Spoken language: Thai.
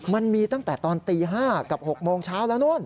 มันมีตั้งแต่ตอนตี๕กับ๖โมงเช้าแล้วนู่น